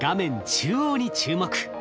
中央に注目。